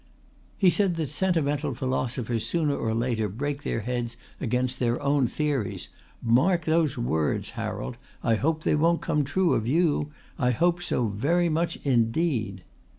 "He said that sentimental philosophers sooner or later break their heads against their own theories. Mark those words, Harold! I hope they won't come true of you. I hope so very much indeed."